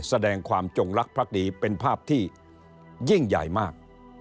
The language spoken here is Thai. แสดงความจงรักภักดีเป็นภาพที่ยิ่งใหญ่มาก